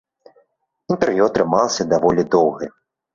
Інтэрв'ю атрымалася даволі доўгае.